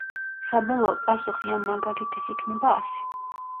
საბოლოო პასუხი ამ მაგალითის იქნება ასი.